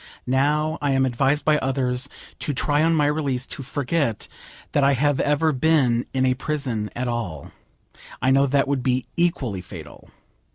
Now I am advised by others to try on my release to forget that I have ever been in a prison at all. I know that would be equally fatal.